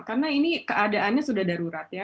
karena ini keadaannya sudah darurat ya